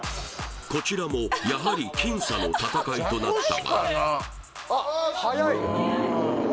こちらもやはり僅差の戦いとなったがコラッ！